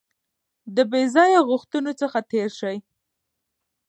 د بې ځایه غوښتنو څخه تېر شئ.